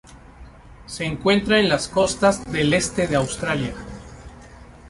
Se encuentra en las costas del este de Australia.